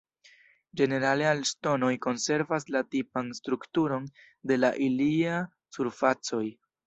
Ĝenerale la ŝtonoj konservas la tipan strukturon de la ilia surfacoj.